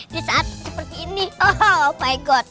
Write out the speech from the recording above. disaat seperti ini oh my god